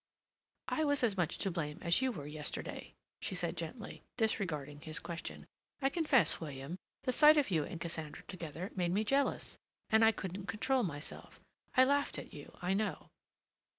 "I was as much to blame as you were yesterday," she said gently, disregarding his question. "I confess, William, the sight of you and Cassandra together made me jealous, and I couldn't control myself. I laughed at you, I know."